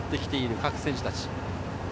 各選手たち。